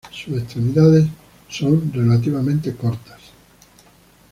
Sus extremidades son relativamente cortas.